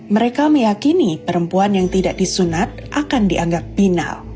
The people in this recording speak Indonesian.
mereka meyakini perempuan yang tidak disunat akan dianggap binal